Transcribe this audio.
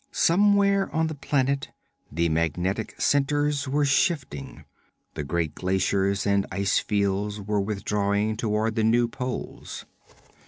Somewhere on the planet the magnetic centers were shifting; the great glaciers and ice fields were withdrawing toward the new poles.